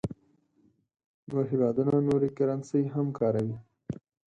نور هېوادونه نورې کرنسۍ هم کاروي.